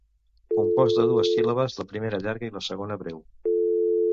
Compost de dues síl·labes, la primera llarga i la segona breu.